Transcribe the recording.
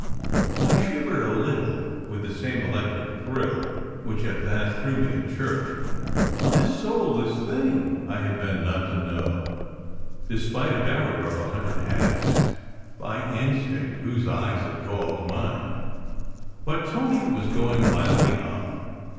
I shivered a little with the same electric thrill which had passed through me in church. What a soulless thing I had been not to know, despite a barrier of a hundred hats, by instinct whose eyes had called mine. But Tony was going mildly on.